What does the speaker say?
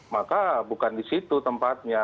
maka bukan di situ tempatnya